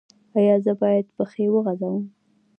ایا زه باید پښې وغځوم؟